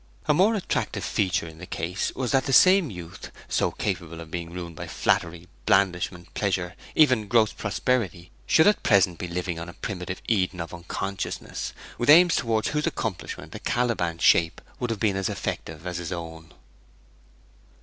A more attractive feature in the case was that the same youth, so capable of being ruined by flattery, blandishment, pleasure, even gross prosperity, should be at present living on in a primitive Eden of unconsciousness, with aims towards whose accomplishment a Caliban shape would have been as effective as his own.